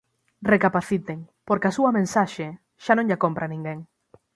Recapaciten, porque a súa mensaxe xa non lla compra ninguén.